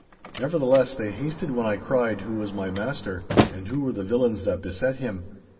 Nevertheless, they hasted when I cried who was my master, and who were the villains that beset him.